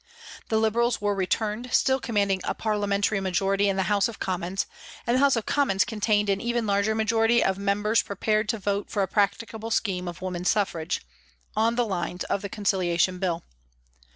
The Liberals were returned, still commanding a Parliamentary majority in the House of Commons, and the House of Commons contained an even larger majority of members prepared to vote for a practicable scheme of Woman Suffrage THE CONCILIATION BILL 317 on the lines of the Conciliation Bill.